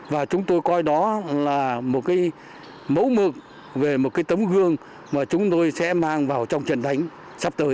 và chúng tôi coi đó là một cái mẫu mực về một cái tấm gương mà chúng tôi sẽ mang vào trong trận đánh sắp tới